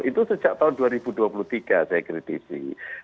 itu sejak tahun dua ribu dua puluh tiga saya kritisi